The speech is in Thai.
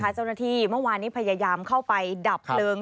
เจ้าหน้าที่เมื่อวานนี้พยายามเข้าไปดับเพลิง